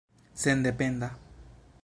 sendependa